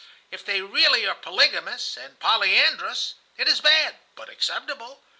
If they really are polygamous and polyandrous, it is bad, but acceptable.